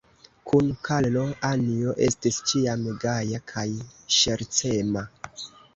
Kun Karlo, Anjo estis ĉiam gaja kaj ŝercema.